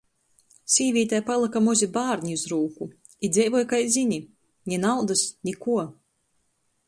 Sīvītei palyka mozi bārni iz rūku. I dzeivoj, kai zyni. Ni naudys, ni kuo.